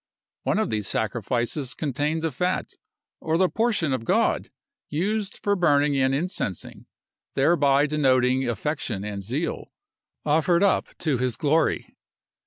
One of these sacrifices contained the fat, or the portion of God, used for burning and incensing; thereby denoting affection and zeal, offered up to his glory.